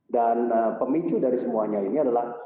dan pemicu dari semuanya ini adalah